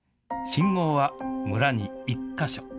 信号は村に１か所。